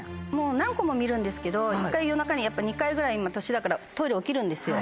何個も見るんですけど夜中にやっぱ２回ぐらい年だからトイレ起きるんですよ。